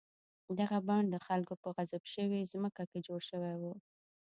دغه بڼ د خلکو په غصب شوې ځمکه کې جوړ شوی و.